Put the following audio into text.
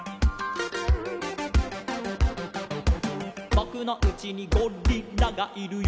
「ぼくのうちにゴリラがいるよ」